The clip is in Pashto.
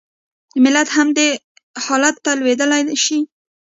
ملت هم دې حالت ته لوېدای شي.